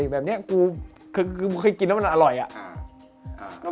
แบบเนี้ยกูคือคือเคยกินแล้วมันอร่อยอ่ะอ่า